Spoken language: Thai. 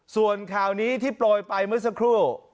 ส่วนข่าวนี้ที่โปรยไปเมื่อสักครู่